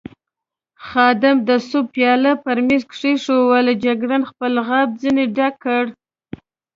خادم د سوپ پیاله پر مېز کېښوول، جګړن خپل غاب ځنې ډک کړ.